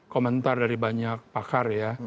komentar dari banyak pakar ya